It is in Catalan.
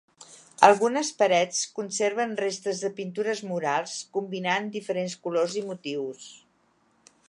Algunes parets conserven restes de pintures murals combinant diferents colors i motius.